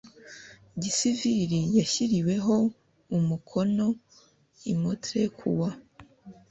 gisivili yashyiriweho umukono i montreal kuwa